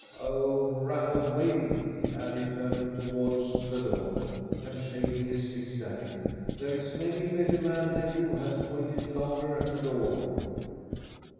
Oh, rap away!" he added, turning towards the door, and shaking his fist at it. "There is many a better man than you has waited longer at that door."